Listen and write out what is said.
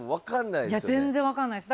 いや全然分かんないです。